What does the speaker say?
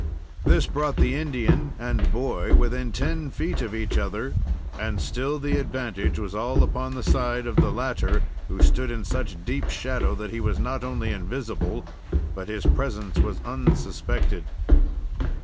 This brought the Indian and boy within ten feet of each other, and still the advantage was all upon the side of the latter, who stood in such deep shadow that he was not only invisible, but his presence was unsuspected.